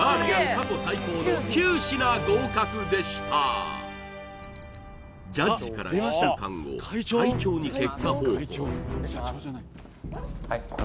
過去最高の９品合格でしたジャッジから１週間後失礼します